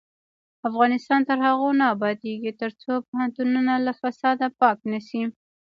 افغانستان تر هغو نه ابادیږي، ترڅو پوهنتونونه له فساده پاک نشي.